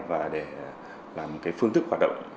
và để làm phương thức hoạt động